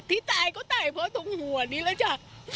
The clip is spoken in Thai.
ที่ตายก็ตายเพราะตรงหัวนี้แหละจ้ะ